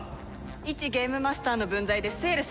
いちゲームマスターの分際でスエル様に意見する気？